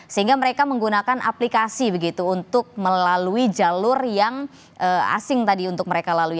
sehingga mereka menggunakan aplikasi begitu untuk melalui jalur yang asing tadi untuk mereka lalui